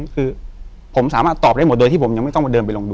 คือผมสามารถตอบได้หมดโดยที่ผมยังไม่ต้องมาเดินไปลงดู